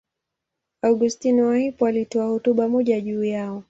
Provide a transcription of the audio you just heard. Augustino wa Hippo alitoa hotuba moja juu yao.